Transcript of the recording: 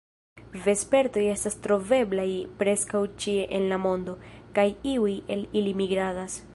Vespertoj estas troveblaj preskaŭ ĉie en la mondo, kaj iuj el ili migradas.